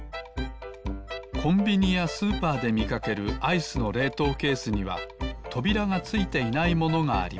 コンビニやスーパーでみかけるアイスのれいとうケースにはとびらがついていないものがあります